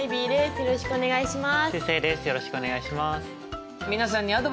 よろしくお願いします。